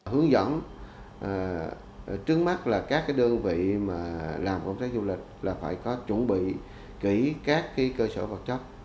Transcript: hướng dẫn trứng mắt là các đơn vị làm công tác du lịch là phải có chuẩn bị kỹ các cơ sở vật chất